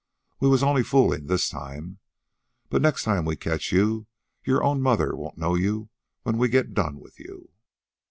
We was only foolin' this time. But next time we catch you your own mother won't know you when we get done with you.'